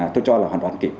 tôi cho là hoàn toàn kịp